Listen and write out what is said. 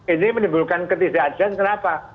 ini menimbulkan ketisakjian kenapa